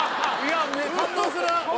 感動する！